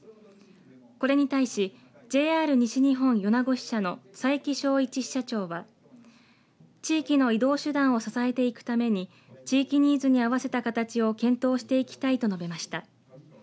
これに対しＪＲ西日本米子支社の佐伯祥一支社長は地域の移動手段を支えていくために地域ニーズに合わせた形を検討していきたいと述べました。